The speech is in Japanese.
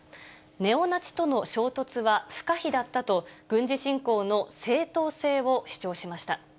ネオナチとの衝突は不可避だったと、軍事侵攻の正当性を主張しました。